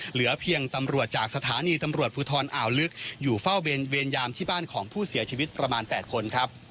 เหลือเพียงตำรวจจากสถานีตำรวจภูทรอ่าวลึกอยู่เฝ้าเวรยามที่บ้านของผู้เสียชีวิตประมาณ๘คนครับ